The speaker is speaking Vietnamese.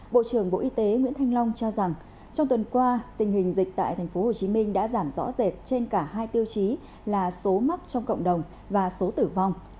bộ trưởng bộ y tế nguyễn thanh long cho rằng trong tuần qua tình hình dịch tại tp hcm đã giảm rõ rệt trên cả hai tiêu chí là số mắc trong cộng đồng và số tử vong